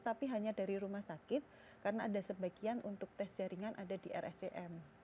tapi hanya dari rumah sakit karena ada sebagian untuk tes jaringan ada di rscm